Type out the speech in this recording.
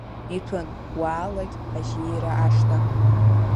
Иҭәын уаалагь ажьира ашҭа.